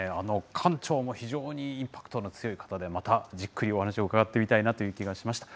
館長も非常にインパクトの強い方で、またじっくりお話を伺ってみたいなという気がしました。